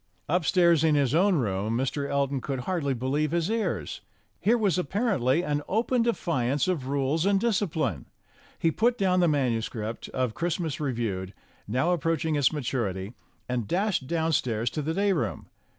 Upstairs in his own room Mr. Elton could hardly believe his ears. Here was, apparently, an open defiance of rules and discipline. He put down the manuscript of "Christmas Reviewed," now approach ing its maturity, and dashed downstairs to the day room.